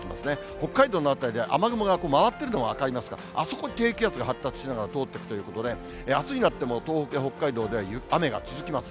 北海道の辺りは雨雲が回ってるのが分かりますが、あそこで低気圧が発達しながら通っていくということで、あすになっても東北や北海道では雨が続きます。